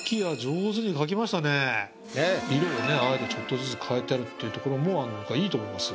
色をねあえてちょっとずつ変えてるっていうところも良いと思います。